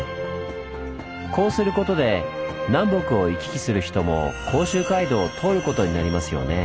こうすることで南北を行き来する人も甲州街道を通ることになりますよね。